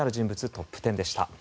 トップ１０でした。